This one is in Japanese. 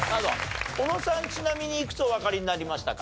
小野さんちなみにいくつおわかりになりましたか？